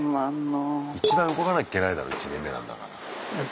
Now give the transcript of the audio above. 一番動かなきゃいけないだろ１年目なんだから。